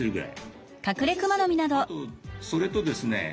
あとそれとですね